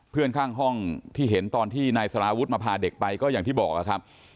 เพื่อนข้างห้องที่เห็นตอนที่นายสารวุฒิมาพาเด็กไปก็อย่างที่บอกนะครับ